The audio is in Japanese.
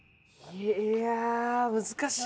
いや難しい。